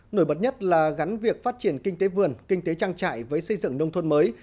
nổi bật nhất là gắn việc phát triển kinh tế vườn kinh tế trang trại với xây dựng nông thôn mới